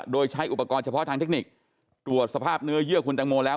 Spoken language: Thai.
โดยใช้อุปกรณ์เฉพาะทางเทคนิคตรวจสภาพเนื้อเยื่อคุณแตงโมแล้ว